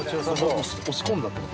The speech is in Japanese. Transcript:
押し込んだって事？